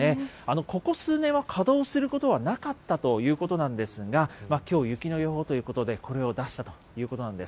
ここ数年は稼働することはなかったということなんですが、きょう、雪の予報ということで、これを出したということなんです。